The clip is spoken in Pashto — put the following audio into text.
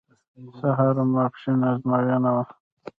سهار او ماسپښین ازموینه وه.